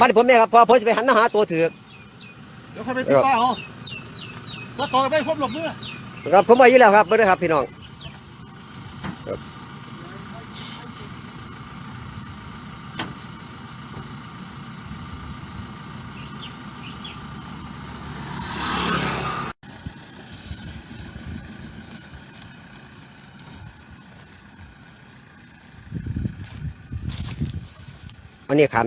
อันนี้ขามเชฟมากนะครับ